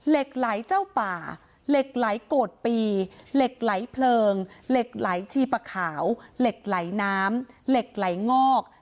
เหล็กไหลเจ้าป่าเหล็กไหลโกรธปีเหล็กไหลเพลิงเหล็กไหลชีปะขาวเหล็กไหลน้ำเหล็กไหลงอก